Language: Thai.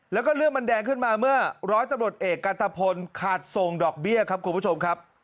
แล้วก็เรื่องมันแดงขึ้นมาเมื่อร้อยตำรวจเอกกันตะพลขาดส่งดอกเบี้ยครับคุณผู้ชมครับ